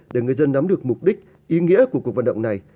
để người dân nắm được mục đích ý nghĩa của cuộc vận động này